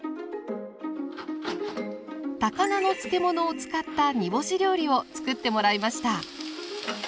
高菜の漬物を使った煮干し料理をつくってもらいました。